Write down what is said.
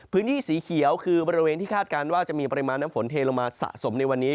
พื้นที่สีเขียวคือบริเวณที่คาดการณ์ว่าจะมีปริมาณน้ำฝนเทลงมาสะสมในวันนี้